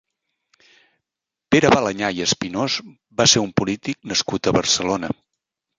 Pere Balañá i Espinós va ser un polític nascut a Barcelona.